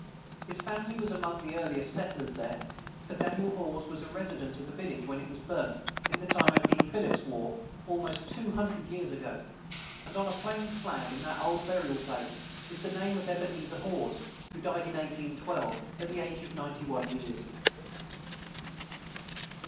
His family was among the earliest settlers there, for Daniel Haws was a resident of the village when it was burnt, in the time of King Philip's war, almost two hundred years ago; and on a plain slab in that old burial place is the name of Ebenezer Haws, who died in 1812, at the age of ninety one years.